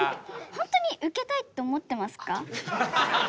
本当にウケたいって思ってますか？